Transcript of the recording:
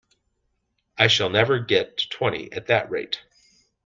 I shall never get to twenty at that rate!